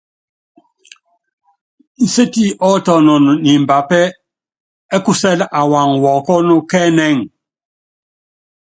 Inséti ɔ́tɔnɔn ni imbapɛ́ ɛ́ kusɛ́l awaaŋ wɔɔkɔ́n kɛ́ ɛnɛ́ŋ.